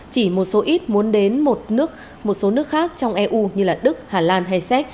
chỉ một số ít muốn đến một số nước khác trong eu như đức hà lan hay séc